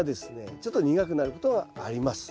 ちょっと苦くなることがあります。